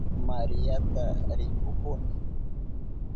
Mariata rikuhuni.